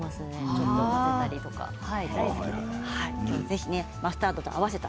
ちょっと混ぜたり大好きです。